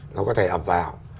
nó có thể ập vào